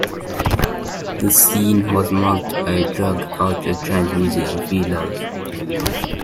The scene was marked by drug culture, trance music and free love.